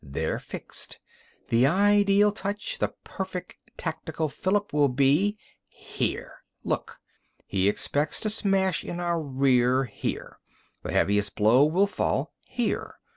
They're fixed. The ideal touch, the perfect tactical fillip, will be—Here! Look. He expects to smash in our rear, here. The heaviest blow will fall here.